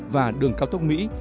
và đường cao tốc mỹ